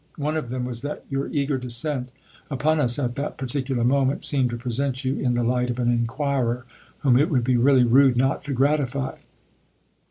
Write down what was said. One of them was that your eager descent upon us at that particular moment seemed to present you in the light of an inquirer whom it would be really rude not to gratify.